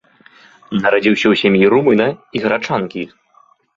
Нарадзіўся ў сям'і румына і грачанкі.